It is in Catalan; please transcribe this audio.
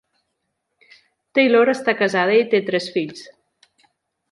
Taylor està casada i té tres fills.